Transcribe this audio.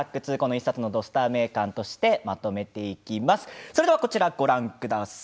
１冊のスター名鑑としてまとめていきます。